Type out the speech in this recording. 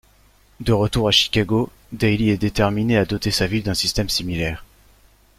De retour à Chicago, Daley est déterminé à doter sa ville d'un système similaire.